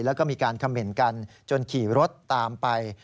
แล้วก็มีการเขม่นกันจนขี่รถตามไป